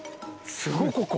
すごっここ。